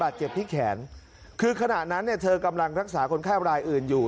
ที่แขนคือขณะนั้นเธอกำลังรักษาคนค่ายบรรยายอื่นอยู่